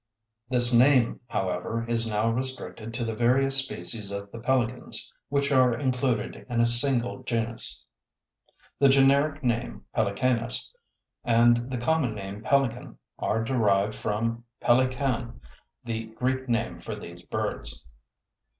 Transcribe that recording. This name, however, is now restricted to the various species of the Pelicans which are included in a single genus. The generic name Pelecanus and the common name Pelican are derived from pelekan, the Greek name for these birds.